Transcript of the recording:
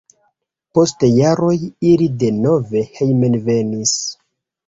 Post jaroj ili denove hejmenvenis.